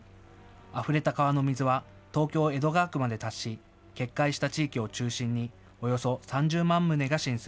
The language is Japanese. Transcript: あふれた川の水は東京江戸川区まで達し、決壊した地域を中心におよそ３０万棟が浸水。